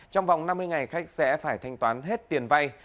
trong vòng năm mươi ngày khách sẽ phải thanh toán hết tiền vay